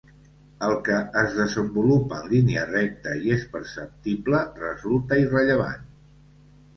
El que es desenvolupa en línia recta i és perceptible resulta irrellevant.